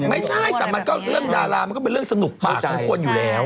ไม่ใช่แต่มันก็เรื่องดารามันก็เป็นเรื่องสนุกปากของคนอยู่แล้ว